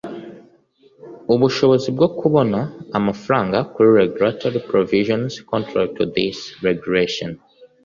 ubushobozi bwo kubona amafaranga ku regulatory provisions contrary to this regulation